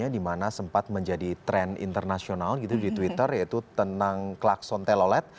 di mana sempat menjadi tren internasional di twitter yaitu tenang klakson telolet